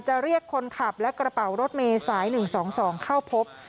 จะเรียกคนขับและกระเป๋ารถเมย์สายหนึ่งสองสองเข้าพบ